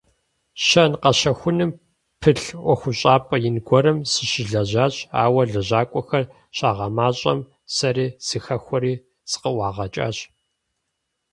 Щэн-къэщэхуным пылъ ӏуэхущӏапӏэ ин гуэрым сыщылэжьащ, ауэ, лэжьакӀуэхэр щагъэмащӀэм, сэри сыхэхуэри, сыкъыӀуагъэкӀащ.